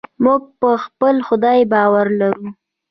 موږ په خپل خدای باور لرو.